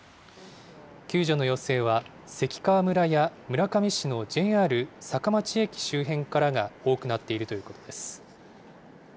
救助の要請は、関川村や村上市のＪＲ坂町駅周辺からが多くなっているということです。